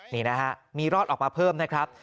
นี่นะฮะมีรอดออกมาเพิ่มนะครับ